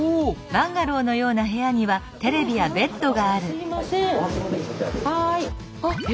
すいません。